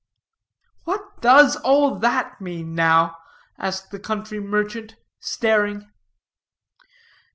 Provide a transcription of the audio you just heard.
"What does all that mean, now?" asked the country merchant, staring.